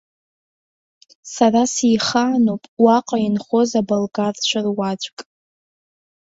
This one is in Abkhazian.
Сара сихаануп уаҟа инхоз аболгарцәа руаӡәк.